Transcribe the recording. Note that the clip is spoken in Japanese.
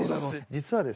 実はですね